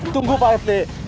tunggu pak ya ya